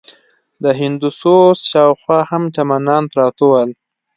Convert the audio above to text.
د هندوسوز شاوخوا هم چمنان پراته ول.